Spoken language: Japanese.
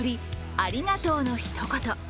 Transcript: ありがとうのひと言。